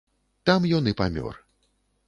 Там ён і памёр.